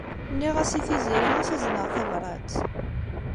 Nniɣ-as i Tiziri ad as-azneɣ tabṛat.